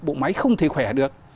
bộ máy không thể khỏe được